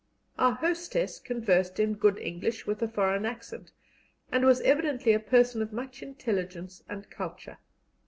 Our hostess conversed in good English with a foreign accent, and was evidently a person of much intelligence and culture.